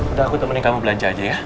udah aku temenin kamu belanja aja ya